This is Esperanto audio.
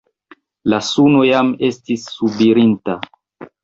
La suno jam estis subirinta.